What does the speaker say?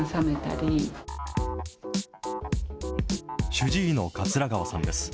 主治医の桂川さんです。